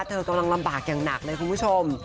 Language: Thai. เธอกำลังลำบากอย่างหนักเลยคุณผู้ชม